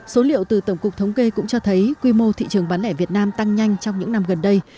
số liệu từ tổng cục thống kê cũng cho thấy quy mô thị trường bán lẻ việt nam tăng nhanh trong những năm gần đây